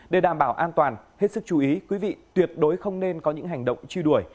để đảm bảo an toàn hết sức chú ý quý vị tuyệt đối không nên có những hành động truy đuổi